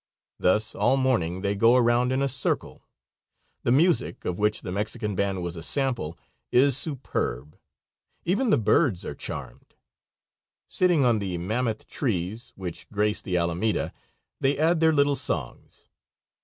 Thus all morning they go around in a circle. The music, of which the Mexican band was a sample, is superb; even the birds are charmed. Sitting on the mammoth trees, which grace the alameda, they add their little songs.